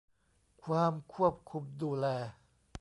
ความควบคุมดูแล